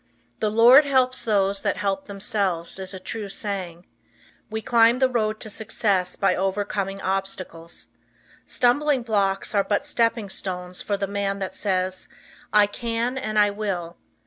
"The Lord helps those that help themselves," is a true saying. We climb the road to success by overcoming obstacles. Stumbling blocks are but stepping stones for the man that says, "I can and I Will."